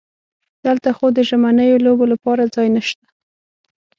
دلته خو د ژمنیو لوبو لپاره ځای نشته.